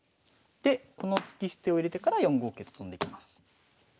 でこの突き捨てを入れてから４五桂と跳んできます。